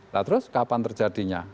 nah terus kapan terjadinya